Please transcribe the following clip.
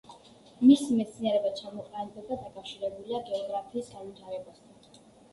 მისი მეცნიერებად ჩამოყალიბება დაკავშირებულია გეოგრაფიის განვითარებასთან.